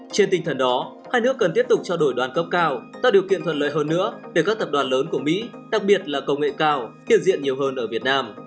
trên tinh thần đó hai nước cần tiếp tục trao đổi đoàn cấp cao tạo điều kiện thuận lợi hơn nữa để các tập đoàn lớn của mỹ đặc biệt là công nghệ cao hiện diện nhiều hơn ở việt nam